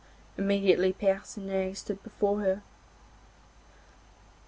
Immediately Percinet stood before her.